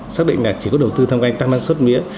xác định là chỉ có đầu tư thăm canh tăng năng suất mía